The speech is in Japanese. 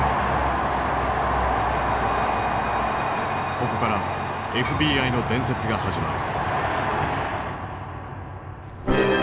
ここからＦＢＩの伝説が始まる。